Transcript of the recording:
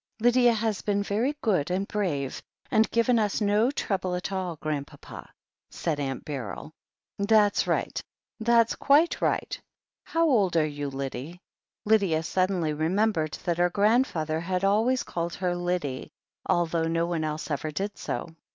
"Lydia has been very good and brave, and given us no trouble at all. Grandpapa," said Aunt Beryl. "That's right. That's quite right. How old are you, Lyddie?" Lydia suddenly remembered that her grandfather had always called her "Lyddie," although no one else ever did so.